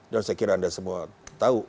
dan saya kira anda semua tahu